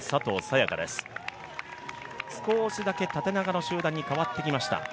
也伽です、少しだけ縦長の集団に変わってきました。